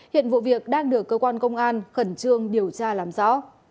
hiện vụ việc đang được cơ quan công an khẩn trương điều tra làm rõ